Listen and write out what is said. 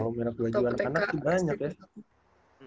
kalau merek baju anak anak tuh banyak ya